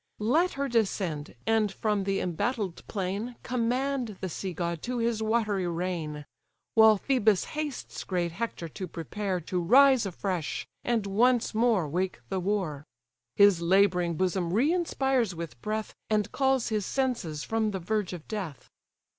Let her descend, and from the embattled plain Command the sea god to his watery reign: While Phœbus hastes great Hector to prepare To rise afresh, and once more wake the war: His labouring bosom re inspires with breath, And calls his senses from the verge of death.